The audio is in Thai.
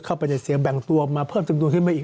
เข้าไปในเสียงแบ่งตัวมาเพิ่มจำนวนขึ้นมาอีก